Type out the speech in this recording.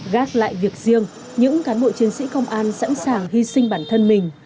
gác lại việc riêng những cán bộ chiến sĩ công an sẵn sàng hy sinh bản thân mình